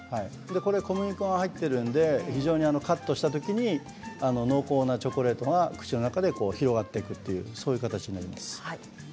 小麦粉が入っているので非常にカットしたときに濃厚なチョコレートが口の中に広がっていくというそういう形になります。